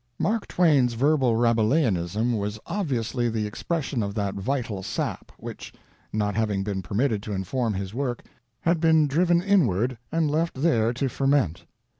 Mark Twain's verbal Rabelaisianism was obviously the expression of that vital sap which, not having been permitted to inform his work, had been driven inward and left there to ferment.